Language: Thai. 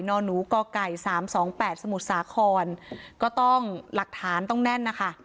หนูกไก่๓๒๘สมุทรสาครก็ต้องหลักฐานต้องแน่นนะคะ